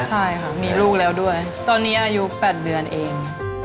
ใช่ค่ะมีลูกแล้วด้วยตอนนี้อายุ๘เดือนเอง